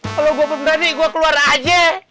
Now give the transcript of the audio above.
kalo gua pemberani gua keluar aja